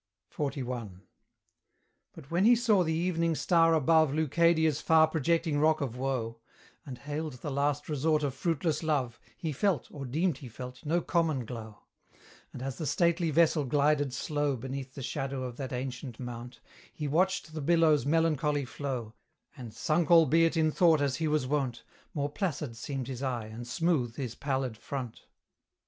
XLI. But when he saw the evening star above Leucadia's far projecting rock of woe, And hailed the last resort of fruitless love, He felt, or deemed he felt, no common glow: And as the stately vessel glided slow Beneath the shadow of that ancient mount, He watched the billows' melancholy flow, And, sunk albeit in thought as he was wont, More placid seemed his eye, and smooth his pallid front.